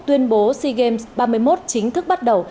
sea games ba mươi một chính thức bắt đầu